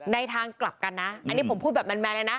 ทางกลับกันนะอันนี้ผมพูดแบบแมนเลยนะ